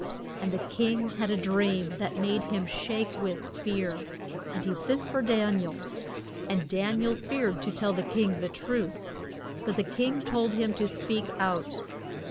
And the king had a dream that made him shake with fear, and he sent for Dan i el. And Dan i el feared to tell the king the truth. But the king told him to speak out.